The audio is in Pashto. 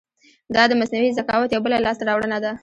دا د مصنوعي ذکاوت یو بله لاسته راوړنه ده.